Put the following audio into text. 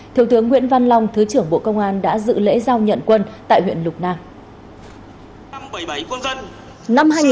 thứ trưởng nguyễn văn long thứ trưởng bộ công an đã dự lễ giao nhận quân tại huyện lục nàng